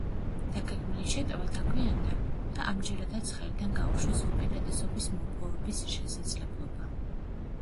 დაგეგმილი შეტევა დაგვიანდა და ამჯერადაც ხელიდან გაუშვეს უპირატესობის მოპოვების შესაძლებლობა.